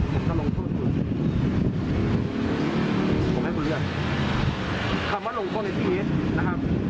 ผมจะลงโทษคุณผมให้คุณเลือกคำว่าลงโทษในทีนี้นะครับ